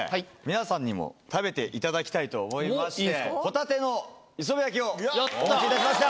皆さんにも食べていただきたいと思いましてホタテの磯辺焼きをお持ちいたしました！